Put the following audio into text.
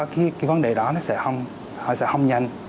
cái vấn đề đó nó sẽ không nhanh